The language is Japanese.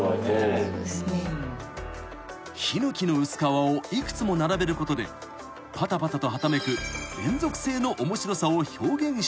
［ヒノキの薄皮を幾つも並べることでぱたぱたとはためく連続性の面白さを表現したいという］